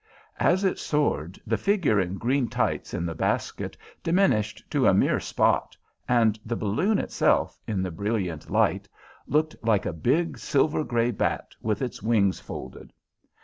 As it soared, the figure in green tights in the basket diminished to a mere spot, and the balloon itself, in the brilliant light, looked like a big silver grey bat, with its wings folded.